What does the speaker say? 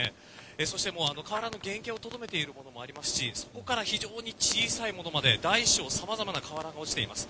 そして瓦の原形をとどめているものもありますし非常に小さいものまで大小さまざまな瓦が落ちています。